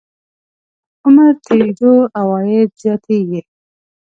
عمر تېرېدو عواید زیاتېږي.